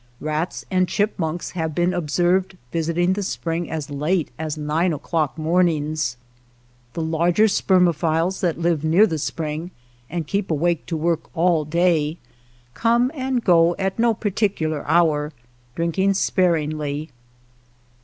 Rats and chipmunks have been observed visiting the spring as late as nine o'clock mornings. The larger spermophiles that live near the spring and keep awake to work all day, come and go at no particular hour, drinking sparingly.